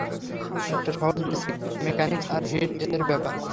এটা সহজ basic mechanics আর হিট এর ব্যাপার।